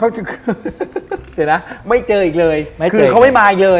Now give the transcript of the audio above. เดี๋ยวนะไม่เจออีกเลยคือเขาไม่มาอีกเลย